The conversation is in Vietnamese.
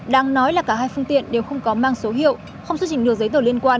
đang nói là cả hai phương tiện đều không có mang số hiệu không xuất trình được giấy tờ liên quan